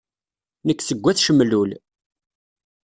Nek seg At Cemlul.